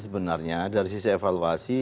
sebenarnya dari sisi evaluasi